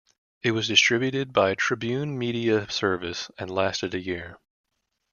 It was distributed by Tribune Media Service and lasted a year.